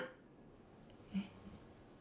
えっ？